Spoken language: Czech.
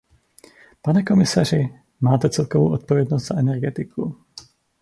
Pane komisaři, máte celkovou odpovědnost za energetiku.